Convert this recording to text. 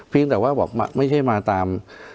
เพียงแต่ว่าบอกมาไม่ใช่มาตาม